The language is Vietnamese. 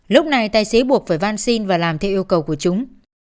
lúc này tài xế buộc phải van xin và làm theo yêu cầu của chúng